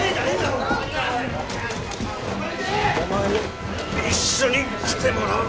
お前も一緒に来てもらうぞ。